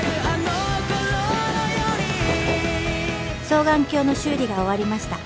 「双眼鏡の修理が終わりました」